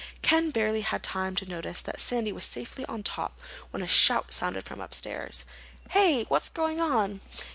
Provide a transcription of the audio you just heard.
Ken barely had time to notice that Sandy was safely on top when a shout sounded from upstairs. "Hey! What's going on?"